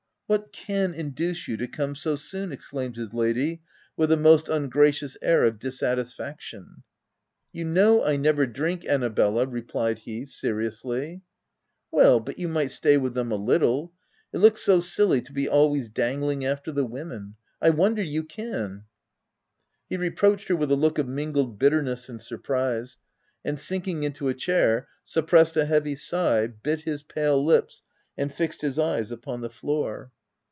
C( What can induce you to come so soon ?" exclaimed his lady, with a most ungracious air of dissatisfaction. " You know I never drink, Annabella," re plied he, seriously. M Well, but you might stay with them a little : it looks so silly to be always dangling after the women — I wonder you can P 1 He reproached her with a look of mingled bitterness and surprise, and sinking into a chair, suppressed a heavy sigh, bit his pale lips, and fixed his eyes upon the floor.